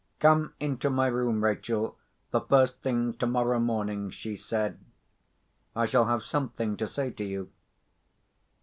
"Come into my room, Rachel, the first thing tomorrow morning," she said. "I shall have something to say to you."